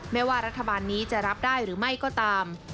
ไม่ว่ารัฐบาลนี้จะรับได้หรือไม่ก็ตาม